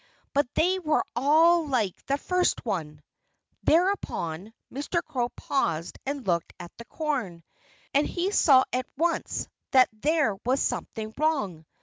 But they were all like the first one. Thereupon, Mr. Crow paused and looked at the corn. And he saw at once that there was something wrong.